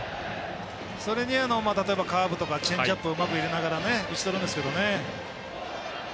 それに、例えばカーブとかチェンジアップをうまく入れながら打ち取るんですけどね。